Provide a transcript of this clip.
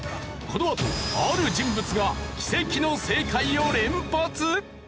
このあとある人物が奇跡の正解を連発！？